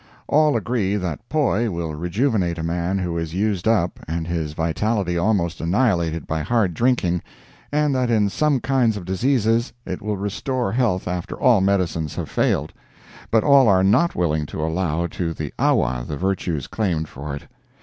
All agree that poi will rejuvenate a man who is used up and his vitality almost annihilated by hard drinking, and that in some kinds of diseases it will restore health after all medicines have failed; but all are not willing to allow to the awa the virtues claimed for it.